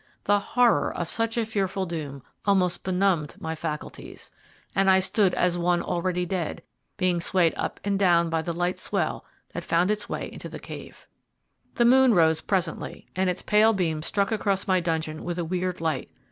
The horror of such a fearful doom almost benumbed my faculties, and I stood as one already dead, being swayed up and down by the light swell that found its way into the cave. The moon rose presently, and its pale beams struck across my dungeon with a weird light.